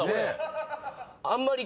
あんまり。